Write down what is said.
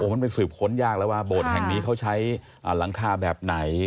มันไปสืบค้นยากแล้วว่าโบสถ์แห่งนี้เขาใช้หลังคาแบบไหน